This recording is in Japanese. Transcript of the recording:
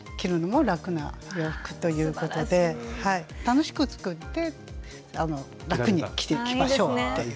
楽しく作って楽に着ましょうという。